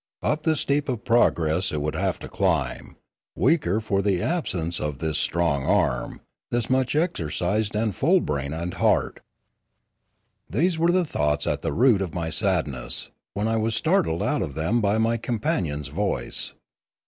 Up the steep of progress it would have to climb, weaker for the absence of this strong arm, this much exercised and full brain and heart. Death 367 These were the thoughts at the root of my sadness, when I was startled out of them by my companion's voice.